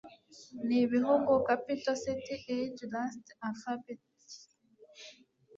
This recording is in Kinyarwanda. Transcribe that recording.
Ni ibihugu Capital City Aje Last Alphabet